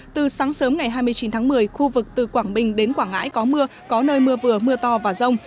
từ sáng sớm ngày hai mươi chín tháng một mươi khu vực từ quảng bình đến quảng ngãi có mưa có nơi mưa vừa mưa to và rông